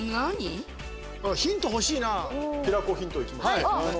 平子ヒント、いきますね。